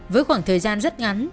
với khoảng thời gian rất ngắn